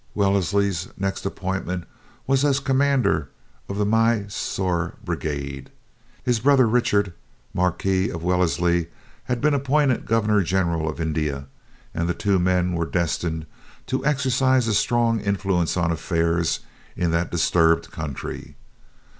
Wellesley's next appointment, was as Commander of the Mysore brigade. His brother Richard, Marquis of Wellesley, had been appointed Governor General of India, and the two men were destined to exercise a strong influence on affairs in that disturbed country.